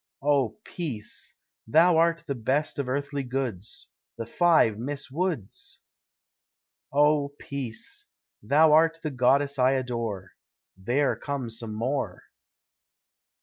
Oh Peace! thou art the best of earthly goods The five Miss Woods! Oh Peace! thou art the goddess I adore There come some more.